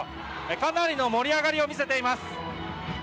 かなりの盛り上がりを見せています。